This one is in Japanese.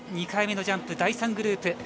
２回目のジャンプ、第３グループ。